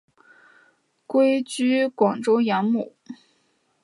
归居广州养母。